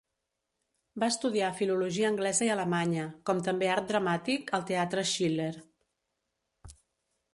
Va estudiar filologia anglesa i alemanya, com també art dramàtic al Teatre Schiller.